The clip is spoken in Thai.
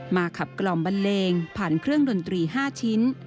ขับกล่อมบันเลงผ่านเครื่องดนตรี๕ชิ้น